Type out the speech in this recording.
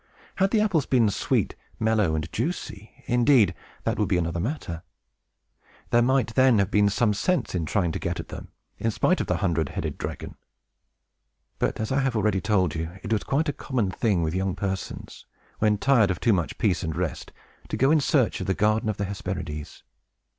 Had the apples been sweet, mellow, and juicy, indeed that would be another matter. There might then have been some sense in trying to get at them, in spite of the hundred headed dragon. But, as I have already told you, it was quite a common thing with young persons, when tired of too much peace and rest, to go in search of the garden of the Hesperides.